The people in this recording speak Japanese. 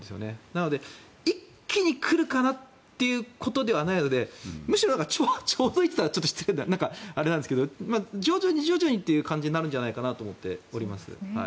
なので、一気に来るかなということではないのでむしろ、ちょうどいいと言ったら失礼あれですが徐々に徐々にという感じになるんじゃないかなと思っております。